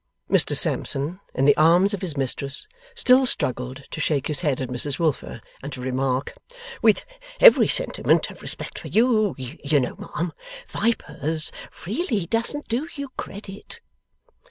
Mr Sampson, in the arms of his mistress, still struggled to shake his head at Mrs Wilfer, and to remark: 'With every sentiment of respect for you, you know, ma'am vipers really doesn't do you credit.